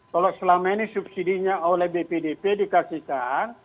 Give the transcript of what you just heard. kalau selama ini subsidi nya oleh bpdp dikasihkan